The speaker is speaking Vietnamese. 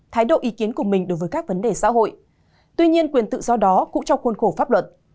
thái độ ý kiến của mình đối với các vấn đề xã hội tuy nhiên quyền tự do đó cũng trong khuôn khổ pháp luật